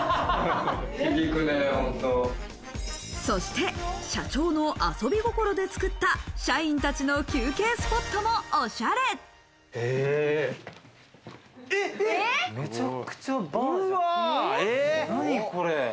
そして社長の遊び心で作った社員たちの休憩スポットもおしゃれ。